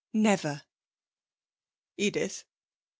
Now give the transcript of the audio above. Never.' 'Edith.'